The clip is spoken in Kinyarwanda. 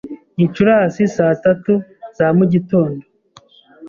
Gicurasi saa tatu za mugitondo?